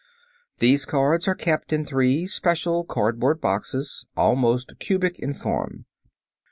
These cards are kept in three special cardboard boxes, almost cubic in form.